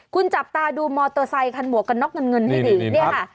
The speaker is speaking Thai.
คุณจับตาดูมอเตอร์ไซคันหมวกกันน็อกเงินเงินให้ดีเนี่ยค่ะ